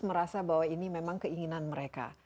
merasa bahwa ini memang keinginan mereka